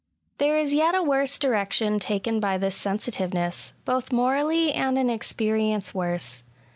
There is yet a worse direction taken by this sensitiveness — both morally and in experience worse.